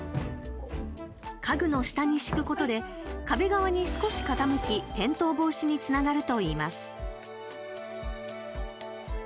家具の下に敷くことで壁側に少し傾き転倒防止につながるといいます。